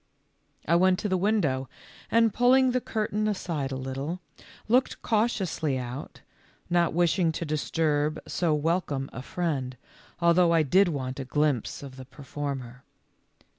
I went to the window, and pulling the cur tain aside a little, looked cautiously out, not wishing to disturb so welcome a friend, although I did want a glimpse of the performer.